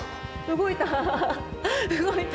動いた！